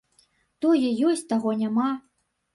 Тое ёсць, таго няма.